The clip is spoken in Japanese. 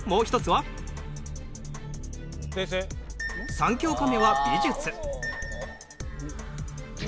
３教科目は美術。